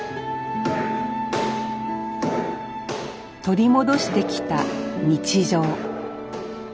取り戻してきた日常。